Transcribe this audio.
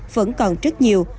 vẫn còn rất nhiều